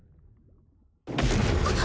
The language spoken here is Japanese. あっ。